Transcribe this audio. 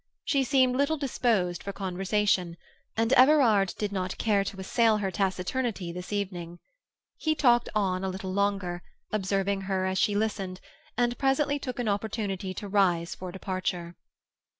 She seemed little disposed for conversation, and Everard did not care to assail her taciturnity this evening. He talked on a little longer, observing her as she listened, and presently took an opportunity to rise for departure.